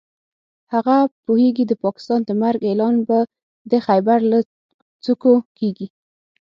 هغه پوهېږي د پاکستان د مرګ اعلان به د خېبر له څوکو کېږي.